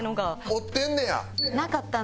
折ってんねや。